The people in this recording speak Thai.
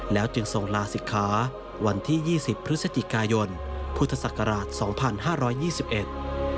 แล้วจึงส่งลาศิฆาวันที่๒๐พฤศจิกายนพุทธศักราช๒๕๒๑